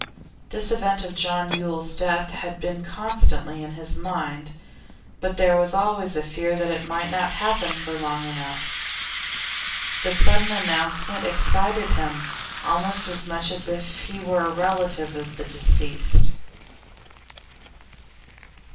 This event of John Yule's death had been constantly in his mind, but there was always a fear that it might not happen for long enough; the sudden announcement excited him almost as much as if he were a relative of the deceased.